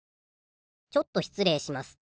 ちょっと失礼します。